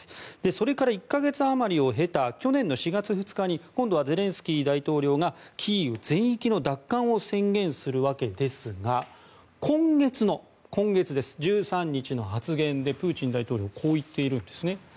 それから１か月余りを経た去年４月２日に今度はゼレンスキー大統領がキーウ全域の奪還を宣言するわけですが今月１３日の発言でプーチン大統領はこう言ってるんです。